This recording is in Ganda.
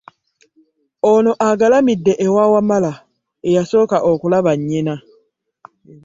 Ono agalamidde e Wamala eyasooka okulaba nnyina.